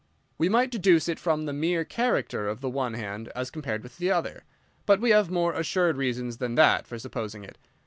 "We might deduce it from the mere character of the one hand as compared with the other. But we have more assured reasons than that for supposing it.